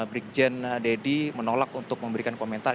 irjen pol dedy menolak untuk memberikan komentar